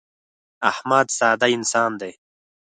احمد ساده انسان دی.